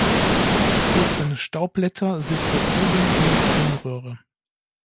Die kurzen Staubblätter sitzen oben in der Kronröhre.